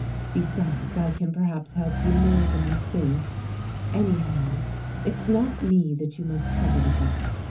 Besides, I can perhaps help you more than you think. Anyhow, it's not me that you must trouble about.